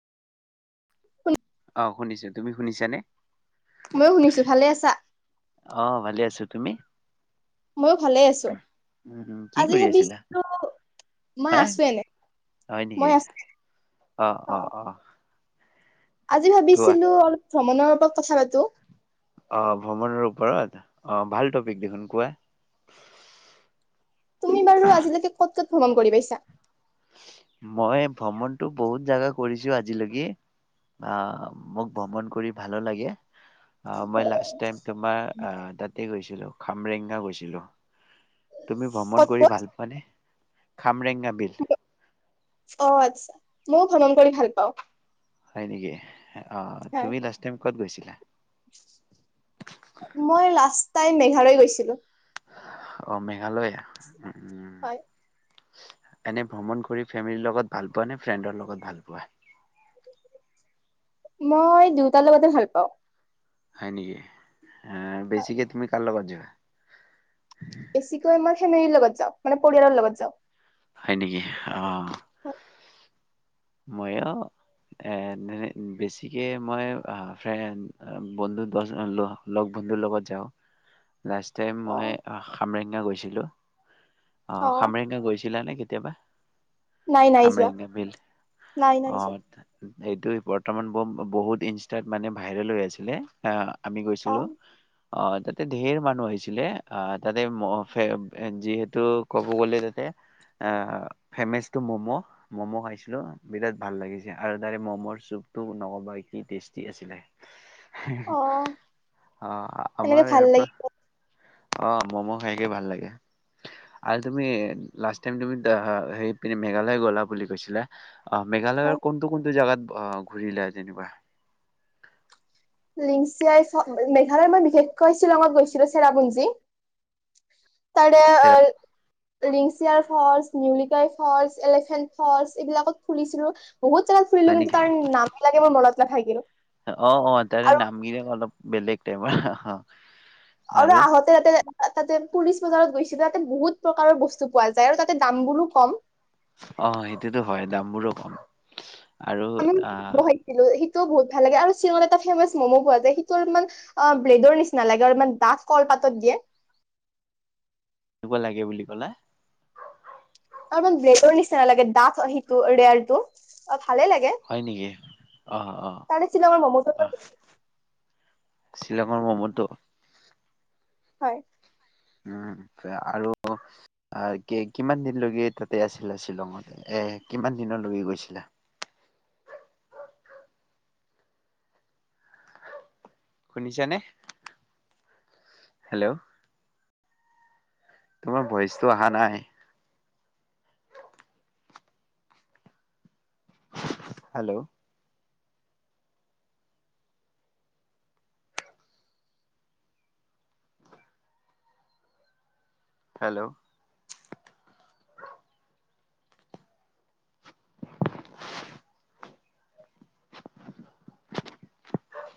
উ অ শুনিছো তুমি শুনিছানে ময়ো শুনিছো ভালে আছা অ ভালে আছো তুমি ময়ো ভালেই আছো উম উম কি আজি কৰি আছিলা ভাবিছো মই হা আছো এনে হয় নেকি মই আছো অ আজি কোৱা ভাবিছিলো অলপ ভ্ৰমণৰ ওপৰত কথা পাতো আঁহ ভ্ৰমণৰ ওপৰত আঁহ ভাল টপিক দেখোন কোৱা তুমি বাৰু আজিলৈকে ক'ত ক'ত ভ্ৰমণ কৰি পাইছা? মই ভ্ৰমণ তো বহুত জাগা কৰিছো আজিলৈকৈ আঁহ মোক ভ্ৰমণ কৰি ভালো লাগে অঁ মই লাষ্ট টাইম তাতে গৈছো ছিলো খামৰেংগা গৈছিলো তুমি ভ্ৰমণ ক'ত কৰি ক'ত ভাল পোৱানে? খামৰেং কাবিল অঁ আচ্ছা ময়ও ভ্ৰমণ কৰি ভাল পাওঁ হয় নেকি অঁ হয় তুমি লাষ্ট টাইম ক'ত গৈছিলা? তাই মেঘালয় গৈছিলো অঁ মেঘালয় হয় এনে ভ্ৰমণ কৰি ফেমিলিৰ লগত ভাল পোৱা নে ফ্ৰেণ্ডৰ লগত ভাল পোৱা? মই দুইটাৰ লগতে ভাল পাওঁ হয় নেকি হ হয় বেছিকৈ তুমি কাৰলগত যোৱা? বেছিকৈ আমাৰ ফেমেলিৰ লগত যাওঁ মানে পৰিয়ালৰ লগত যাওঁ হয় নেকি অঁ হয় মইো এ বেছিকে মই বন্ধু দহ লগ বন্ধুৰ লগত যাওঁ লাষ্ট টাইম অ মই খামৰেঙা গৈছিলো অঁ অ খামৰেংকা গৈছিলা নে কেতিয়াবা নাই নাই যোৱা খামৰেিং বিল নাই নাই অঁ যোৱা এইটো বৰ্তমান বহুত ইনষ্টাত মানে ভাইৰেল হৈ আছিলে আমি অ গৈছিলো অঁ তাতে ধঢে মানুহ আহিছিলে অ তাতে যিহেতু ক'ব গলে তাতে অ ফেমাচ টো মম' ম'ম' খাইছিলো বিৰাট ভাল লাগিছে আৰু তাৰে মমৰ চুপতটো নকবাি টেষ্টি আছিলে অ অঁ এনেকে আমাৰ ভাল ইয়াৰ পৰা লাগে অঁ মম' খাইকে ভাল লাগে আৰু তুমি লাষ্ট টাই তুমি মেঘালয় গলা বুলি কৈছিলা অঃ হয় মেঘালয়ৰ কোনটো কোনটো জোগাত অ ঘূৰি লোৱা যেনিবা। লিংচিয়াই মেঘালয় মই বিশেষকৈ শ্বিলঙত গৈছিলো চেৰাপুঞ্জী, তাৰে Lyngksiar- falls, নিউলিকাই falls, elephant falls এইবিলাকত ফুৰিছিলোঁ। বহুত জাগাত ফুৰিলো হয় কিন্তু নেকি তাৰ নাম বিলাকে মোৰ মনত নাথাকিল। অ অ তাৰে আৰু নাম বিলাক, অলপ বেলেগ টাইপ, অহ- হ- হ আৰু আহোঁতে ইয়াতে, এটা যেন পুলিচ বজাৰত গৈছো যে, তাতে বহুত প্ৰকাৰৰ বস্তু পোৱা যায় আৰু তাতে দাম বোৰো কম। অ', সেইটোতো হয় দামবোৰো কম। আৰু আহ [unintelligible] হিটো বহুত ভাল লাগে আৰু শ্বিলঙত এটা ফেমাচ ম'ম' পোৱা যায় সিটো অলপমান অ', ব্ৰেডৰ নিচিনা লাগে আৰু ইমান ডাঠ কলপাতত দিয়ে। এনেকুৱা লাগে বুলি ক'লা। অ', অলপমান ব্ৰেডৰ নিচিনা লাগে দাঠ সিটো ৰেয়াৰটো। ভালে লাগে হয় নেকি? অ অ তাৰে শ্বিলঙৰ মম তো অ খাই বেছি, শ্বিলঙৰ ম'মটো। হয়। উম', আৰু কি কিমান দিনলৈকে তাতে আছিলা শ্বিলঙত? এ ', কিমান দিনলৈকে গৈছিলা? শুনিছানে হেল্ল', তোমাৰ ভইচটো আহা নাই। Hello, hello, [unintelligible]